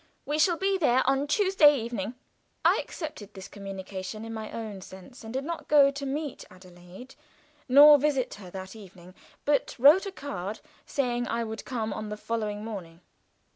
We shall be there on Tuesday evening." I accepted this communication in my own sense, and did not go to meet Adelaide, nor visit her that evening, but wrote a card, saying I would come on the following morning.